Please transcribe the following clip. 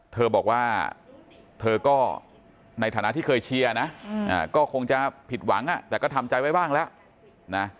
เธอบอกว่าเธอก็ในฐานะที่เคยเชียร์นะก็คงจะผิดหวังแต่ก็ทำใจไว้บ้างแล้วนะ